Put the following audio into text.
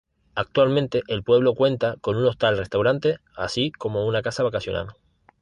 Actualmente el pueblo cuenta con un hostal-restaurante así como una casa vacacional.